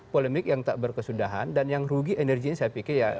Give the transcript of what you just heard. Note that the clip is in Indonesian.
polemik yang tak berkesudahan dan yang rugi energinya saya pikir ya